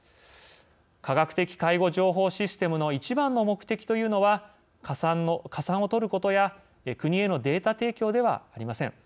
科学的介護情報システムの一番の目的というのは加算をとることや国へのデータ提供ではありません。